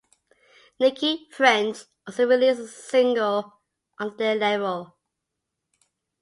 Nicki French also released a single under their label.